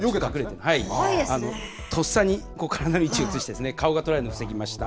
とっさに位置をずらして、顔が撮られるのを防ぎました。